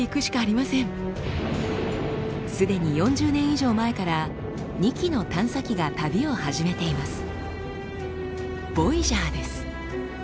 すでに４０年以上前から２機の探査機が旅を始めています。